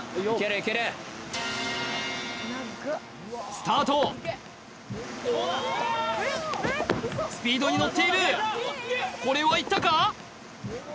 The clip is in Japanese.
スタートスピードに乗っているこれはいったか？